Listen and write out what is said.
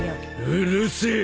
うるせえ！